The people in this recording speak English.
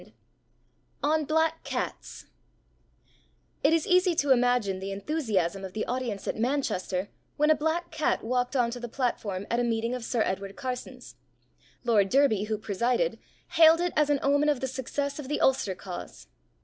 XVII ON BLACK CATS It is easy to imagine the enthusiasm of the audience at Manchester when a black cat walked on to the platform at a meeting of Sir Edward Carson's. Lord Derby, who presided, hailed it as an omen of the success of the Ulster cause.